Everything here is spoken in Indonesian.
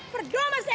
perdua mas ye